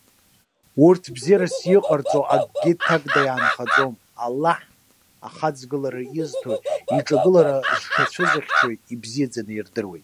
Урҭ бзиарас иҟарҵо акагьы ҭакда инхаӡом. Аллаҳ, ахаҵгылара изҭои, иҿагылара зҽацәызыхьчои ибзиаӡаны идыруеит.